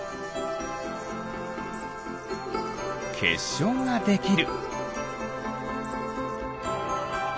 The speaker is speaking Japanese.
けっしょうができる。